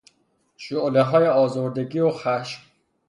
شعلههای آزردگی و خشم